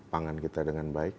pangan kita dengan baik